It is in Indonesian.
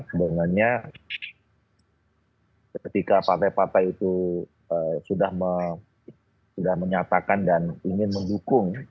sebenarnya ketika partai partai itu sudah menyatakan dan ingin mendukung